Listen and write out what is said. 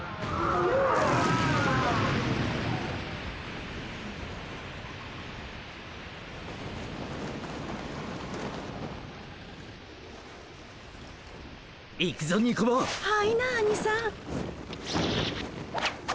あいなアニさん！